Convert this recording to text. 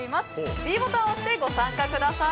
ｄボタンを押してご参加ください。